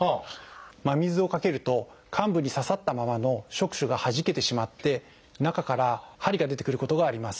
真水をかけると患部に刺さったままの触手がはじけてしまって中から針が出てくることがあります。